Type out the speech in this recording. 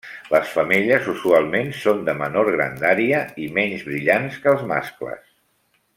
Les femelles usualment són de menor grandària i menys brillants que els mascles.